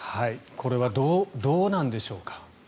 これはどうなんでしょうか。